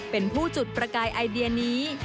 เป็นผู้จุดประกายไอเดียนี้